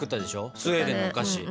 スウェーデンのお菓子。